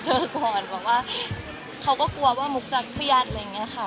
ก่อนแบบว่าเขาก็กลัวว่ามุกจะเครียดอะไรอย่างนี้ค่ะ